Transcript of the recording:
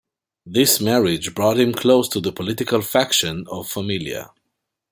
This marriage brought him close to the political faction of Familia.